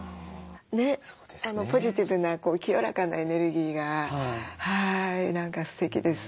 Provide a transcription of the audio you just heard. ねっポジティブな清らかなエネルギーが何かすてきです。